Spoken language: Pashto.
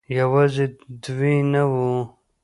يوازې دوي نه وو